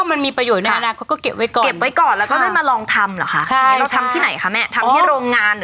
ทำที่ไหนคะแม่ทำที่โรงงานหรือทำที่ไหน